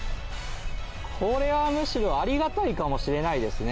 これはむしろありがたいかもしれないですね。